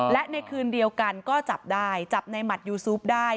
และในคืนเดียวกันก็จับได้จับในหมัดยูซูปได้